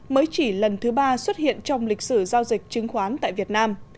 mới chỉ lần thứ ba xuất hiện trong lịch sử giao dịch chứng khoán tại việt nam